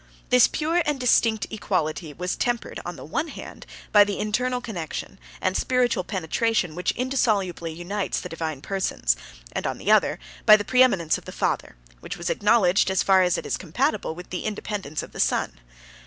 58 This pure and distinct equality was tempered, on the one hand, by the internal connection, and spiritual penetration which indissolubly unites the divine persons; 59 and, on the other, by the preëminence of the Father, which was acknowledged as far as it is compatible with the independence of the Son.